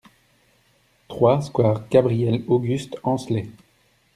trois square Gabriel-Auguste Ancelet